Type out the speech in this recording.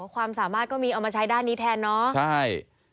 ความสามารถก็มีเอามาใช้ด้านนี้แทนเนาะใช่